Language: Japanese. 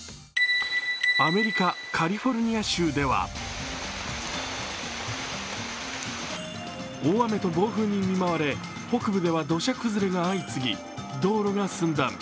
アメリカ・カリフォルニア州では大雨と暴風に見舞われ北部では土砂崩れが相次ぎ道路が寸断。